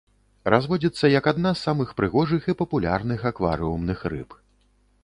Разводзіцца як адна з самых прыгожых і папулярных акварыумных рыб.